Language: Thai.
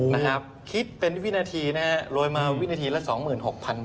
นะครับคิดเป็นวินาทีนะรวยมาวินาทีละ๒๖๐๐๐บาท